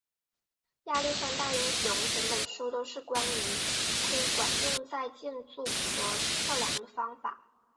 亚历山大英雄整本书都是关于窥管用在建筑和测量的方法。